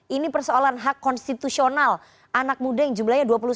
ini persoalan hak konstitusional anak muda yang jumlahnya dua puluh sembilan